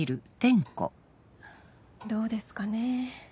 どうですかね。